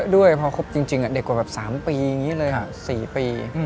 ด้วยพอครบจริงเด็กกว่าแบบ๓ปีอย่างนี้เลย๔ปี